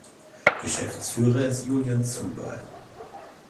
Geschäftsführer ist Julian Zuber.